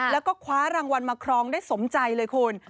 แล้วก็คว้ารางวัลมาครองได้สมใจเลยคุณ